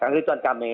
kang rituan kamil